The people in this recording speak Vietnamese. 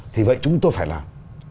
thì vậy chúng tôi phải làm